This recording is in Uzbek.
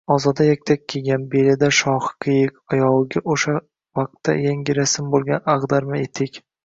Ozoda yaktak kiygan, belida shohi qiyiq, oyogʼida oʼsha vaqtda yangi rasm boʼlgan agʼdarma etik.